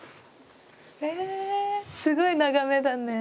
ええすごい眺めだね。